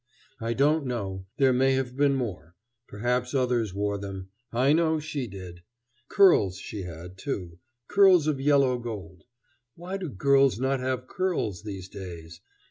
I don't know there may have been more; perhaps others wore them. I know she did. Curls she had, too curls of yellow gold. Why do girls not have curls these days?